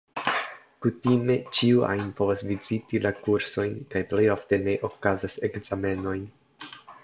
Kutime ĉiu ajn povas viziti la kursojn, kaj plejofte ne okazas ekzamenoj.